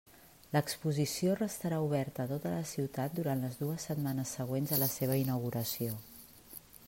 L'exposició restarà oberta a tota la ciutat durant les dues setmanes següents a la seva inauguració.